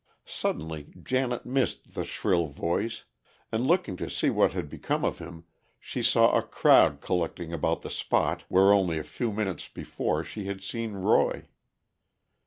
Suddenly Janet missed the shrill voice, and looking to see what had become of him, she saw a crowd collecting about the spot where only a few minutes before she had seen Roy.